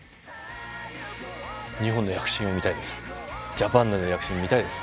ジャパンの躍進を見たいです